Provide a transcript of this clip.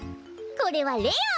これはレよ！